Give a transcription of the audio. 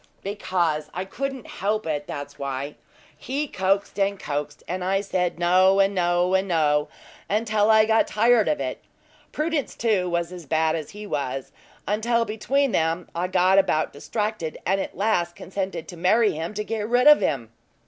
"Because I couldn't help it that's why. He coaxed, and coaxed; and I said no, and no, and no, until I got tired of it. Prudence, too, was as bad as he was, until between them I got about distracted, and at last consented to marry him to get rid of him."